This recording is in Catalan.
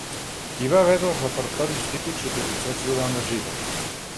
Hi va haver dos repertoris típics utilitzats durant la gira.